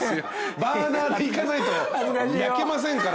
バーナーでいかないと焼けませんから。